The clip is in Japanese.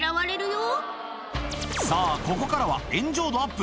さあ、ここからは炎上度アップ。